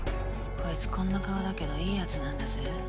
こいつこんな顔だけどいいやつなんだぜ。